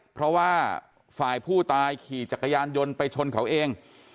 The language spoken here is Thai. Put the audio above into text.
เพราะว่าฝ่ายผู้ตายขี่จักรยานยนต์ไปชนเขาเอง